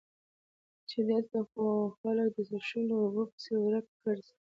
چې دلته خو خلک د څښلو اوبو پسې ورک ګرځي